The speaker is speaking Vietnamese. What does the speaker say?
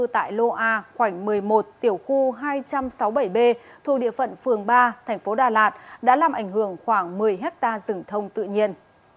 tại lô a khoảnh một mươi một tiểu khu hai trăm sáu mươi bảy b thu địa phận phường ba thành phố đà lạt đã làm ảnh hưởng khoảng một mươi hectare rừng thông tự nhiên